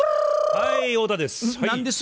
はい太田です。